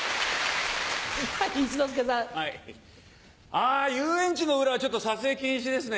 あ遊園地の裏はちょっと撮影禁止ですね。